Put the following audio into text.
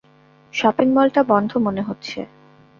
শপিংমলটা বন্ধ মনে হচ্ছে।